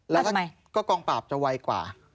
แล้วก็กองปราบจะไวกว่า